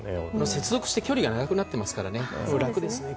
接続して距離が長くなっていますから楽ですよね。